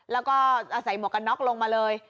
แล้วก็ใส่หมวกกันน็อกลงมาเลย